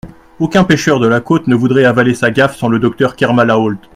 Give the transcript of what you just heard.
Aucun pêcheur de la côte ne voudrait avaler sa gaffe sans le docteur Kermalahault.